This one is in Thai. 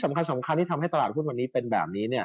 สำคัญที่ทำให้ตลาดพูดวันนี้เป็นแบบนี้เนี่ย